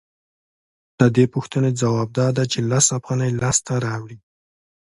د دې پوښتنې ځواب دا دی چې لس افغانۍ لاسته راوړي